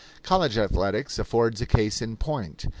College athletics afford a case in point.